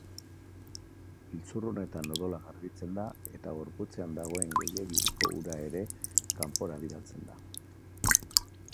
Giltzurrunetan odola garbitzen da eta gorputzean dagoen gehiegizko ura ere kanpora bidaltzen da.